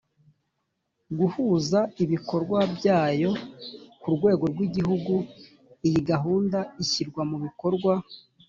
guhuza ibikorwa byayo ku rwego rw igihugu iyi gahunda ishyirwa mu bikorwa